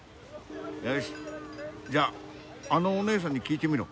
よしじゃああのおねえさんに聞いてみろ。